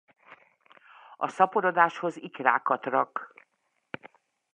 A szaporodáshoz ikrákat rak.